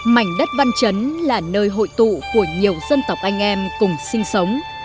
mảnh đất văn chấn là nơi hội tụ của nhiều dân tộc anh em cùng sinh sống